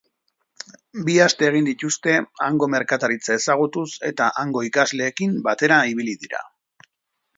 Bi aste egin dituzte hango merkataraitza ezagutuz eta hango ikasleekin batera ibili dira.